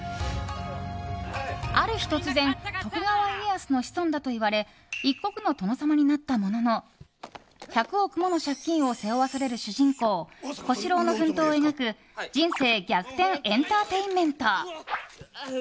ある日、突然徳川家康の子孫だといわれ一国の殿様になったものの１００億もの借金を背負わされる主人公・小四郎の奮闘を描く人生逆転エンターテインメント。